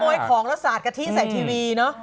ของแล้วสาดกะทิใส่ทีวีเนอะ